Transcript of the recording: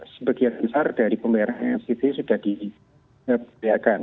sebagian besar dari pembayarannya sudah dibayarkan